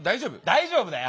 大丈夫だよ。